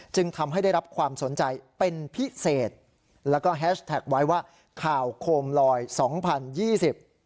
จึงทำให้ได้รับความสนใจเป็นพิเศษแล้วก็แฮชแท็กไว้ว่าข่าวโคมลอยสองพันยี่สิบ